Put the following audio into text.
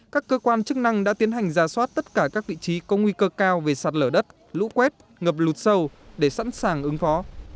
các cơ quan chức năng đã tiến hành ra soát tất cả các vị trí có nguy cơ cao về sạt lở đất lũ quét ngập lụt sâu để sẵn sàng ứng phó